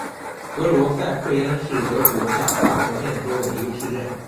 格罗塞费恩是德国下萨克森州的一个市镇。